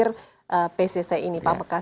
saya kag buen di desa wate trans devamkan